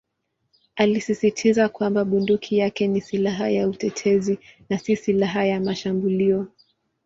Alisisitiza kwamba bunduki yake ni "silaha ya utetezi" na "si silaha ya mashambulio".